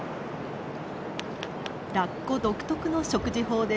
ラッコ独特の食事法です。